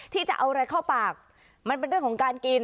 ที่จะเอาอะไรเข้าปากมันเป็นเรื่องของการกิน